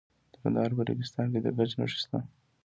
د کندهار په ریګستان کې د ګچ نښې شته.